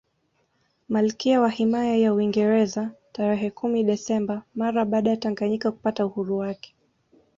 Malkia wa himaya ya Uingereza tarehe kumi Desemba mara baada Tanganyika kupata uhuru wake